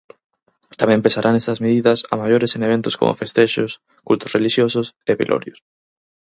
Tamén pesarán estas medidas a maiores en eventos como festexos, cultos relixiosos e velorios.